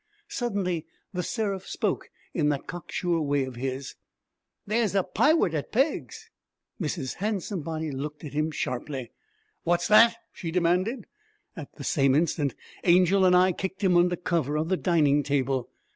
Suddenly The Seraph spoke in that cocksure way of his. 'There's a piwate at Pegg's.' Mrs. Handsomebody looked at him sharply. 'What's that?' she demanded. At the same instant Angel and I kicked him under cover of the dining table.